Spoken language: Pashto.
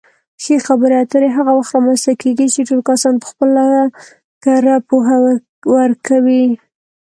ښې خبرې اترې هغه وخت رامنځته کېږي چې ټول کسان پخپله کره پوهه ورکوي.